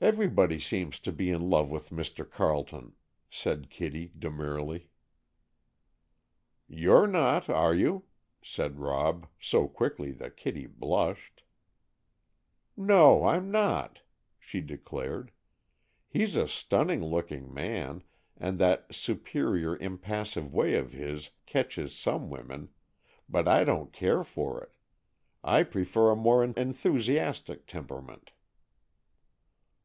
"Everybody seems to be in love with Mr. Carleton," said Kitty, demurely. "You're not, are you?" said Rob, so quickly that Kitty blushed. "No, I'm not," she declared. "He's a stunning looking man, and that superior, impassive way of his catches some women, but I don't care for it. I prefer a more enthusiastic temperament."